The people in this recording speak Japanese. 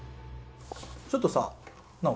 ちょっとさ尚